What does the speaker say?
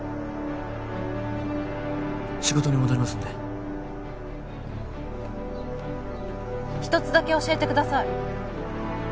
仕事に戻りますんで一つだけ教えてください